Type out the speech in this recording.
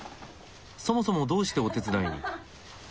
そもそもどうしてお手伝いに？